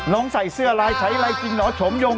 น้องใส่เสื้อลายใช้ลายจริงเหรอฉมยง